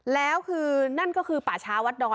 แล้วคือนั่นก็คือป่าช้าวัดดอย